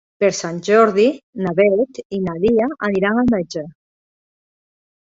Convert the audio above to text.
Per Sant Jordi na Beth i na Lia aniran al metge.